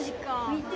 見て。